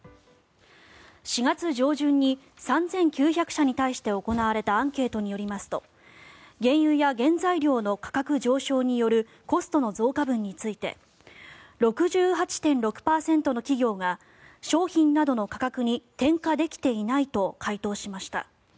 ４月上旬に３９００社に対して行われたアンケートによりますと原油や原材料の価格上昇によるコストの増加分について６８．６％の企業が商品などの価格に転嫁できていないと回答しました。